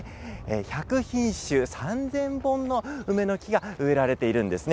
１００品種、３０００本の梅の木が植えられているんですね。